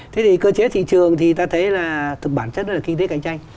thế thì cơ chế thị trường thì ta thấy là thực bản chất là kinh tế cạnh tranh